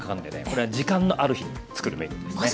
これは時間のある日作るメニューですね。